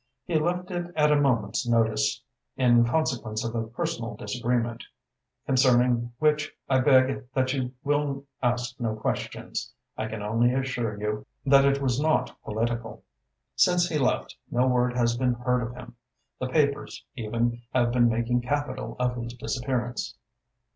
"He left it at a moment's notice, in consequence of a personal disagreement concerning which I beg that you will ask no questions I can only assure you that it was not political. Since he left no word has been heard of him. The papers, even, have been making capital of his disappearance."